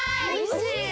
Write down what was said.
おいしい！